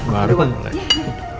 baru kan mulai